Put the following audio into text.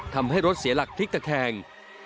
ทำให้รถเสียหลักพลิกตะแคง